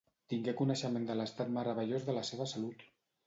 Tingué coneixement de l'estat meravellós de la seva salut.